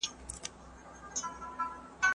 څنګه د فابریکو پراختیا د کارګرو لپاره فرصتونه زیاتوي؟